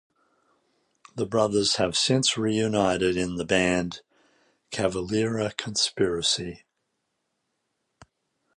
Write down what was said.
The brothers have since reunited in the band Cavalera Conspiracy.